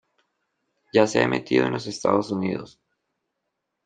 Ya se ha emitido en los Estados Unidos.